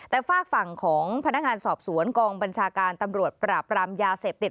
แต่ฝากฝั่งของพนักงานสอบสวนกองบัญชาการตำรวจปราบรามยาเสพติด